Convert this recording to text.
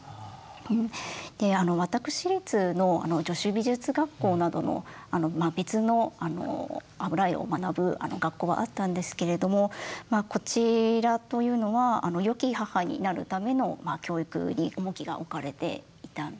私立の女子美術学校などの別の油絵を学ぶ学校はあったんですけれどもこちらというのは良き母になるための教育に重きが置かれていたんですね。